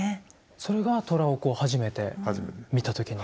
それがトラを初めて見た時の。